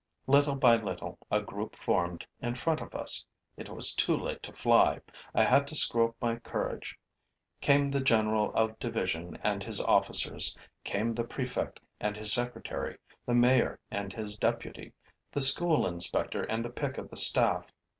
Little by little, a group formed in front of us. It was too late to fly; I had to screw up my courage. Came the general of division and his officers, came the prefect and his secretary, the mayor and his deputy, the school inspector and the pick of the staff.